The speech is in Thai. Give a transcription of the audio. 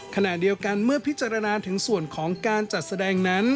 ขณะเดียวกันเมื่อพิจารณาถึงส่วนของการจัดแสดงนั้น